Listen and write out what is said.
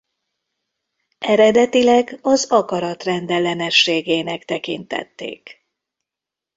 Eredetileg az akarat rendellenességének tekintették.